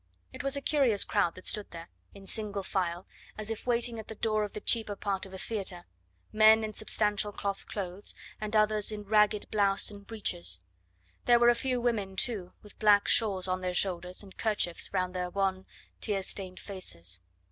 It was a curious crowd that stood there, in single file, as if waiting at the door of the cheaper part of a theatre; men in substantial cloth clothes, and others in ragged blouse and breeches; there were a few women, too, with black shawls on their shoulders and kerchiefs round their wan, tear stained faces.